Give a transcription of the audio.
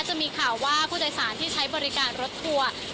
จะมีข่าวว่าผู้โดยสารที่ใช้บริการรถทัวร์